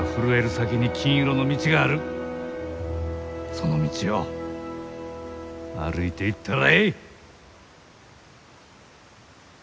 その道を歩いていったらえい！